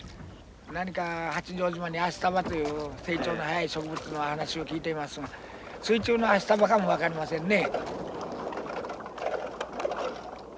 何か八丈島にアシタバという成長の早い植物の話を聞いていますが水中のアシタバかも分かりませんね。